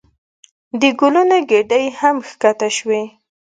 د ګلونو ګېډۍ هم ښکته شوې.